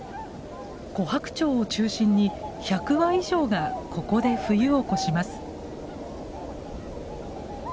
コハクチョウを中心に１００羽以上がここで冬を越します。